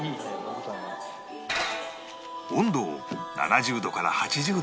温度を７０度から８０度に保ち